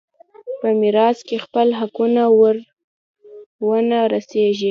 په میراث کې خپل حقونه ور ونه رسېږي.